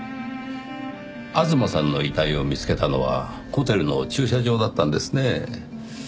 吾妻さんの遺体を見つけたのはホテルの駐車場だったんですねぇ。